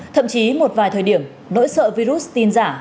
thậm chí một vài thời điểm nỗi sợ virus tin giả